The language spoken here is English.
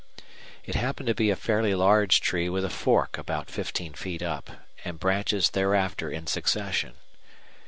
It happened to be a fairly large tree with a fork about fifteen feet up, and branches thereafter in succession.